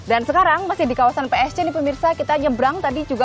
dan sekarang masih di kawasan psc di pemirsa kita nyebrang tadi juga